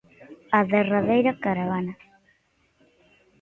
A derradeira caravana.